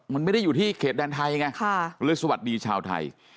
มันไม่ได้อยู่ที่เขตแดนไทยไงเลยสวัสดีชาวไทย